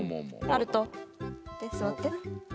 アルト座って。